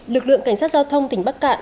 lực lượng cảnh sát giao thông tỉnh bắc cạn